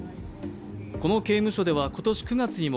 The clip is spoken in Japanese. この刑務所では今年９月にも